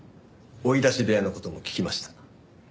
追い出し部屋の事も聞きました。